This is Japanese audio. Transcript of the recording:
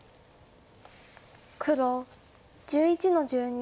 黒１１の十二。